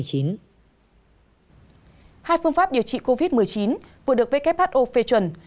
hai phương pháp điều trị covid một mươi chín vừa được who phê chuẩn